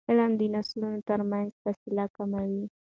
علم د نسلونو ترمنځ فاصله کموي.